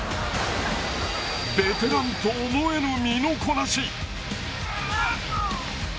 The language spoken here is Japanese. ベテランと思えぬ身のこなし。